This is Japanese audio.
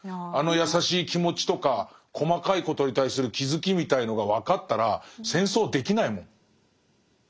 あの優しい気持ちとか細かいことに対する気付きみたいのが分かったら戦争できないもん。